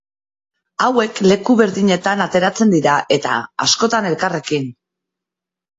Hauek leku berdinetan ateratzen dira, eta askotan elkarrekin.